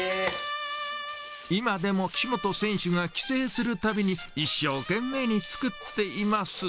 今でも岸本選手が帰省するたびに、一生懸命に作っています。